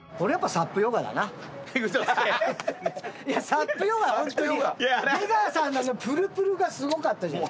ＳＵＰヨガホントに出川さんのプルプルがすごかった。